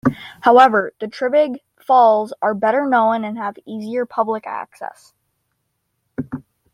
However, the Triberg Falls are better known and have easier public access.